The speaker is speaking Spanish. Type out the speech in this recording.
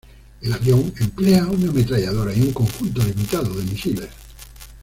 El avión emplea una ametralladora y un conjunto limitado de misiles.